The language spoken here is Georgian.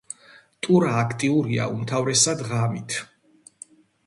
ტურა აქტიურია უმთავრესად ღამით.